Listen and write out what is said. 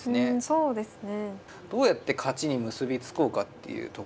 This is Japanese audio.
そうですね。